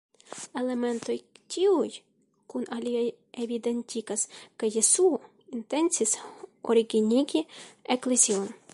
Elementoj tiuj kun aliaj evidentigas ke Jesuo intencis originigi eklezion.